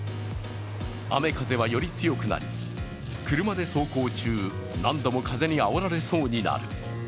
雨風はより強くなり車で走行中何度も風にあおられそうになる。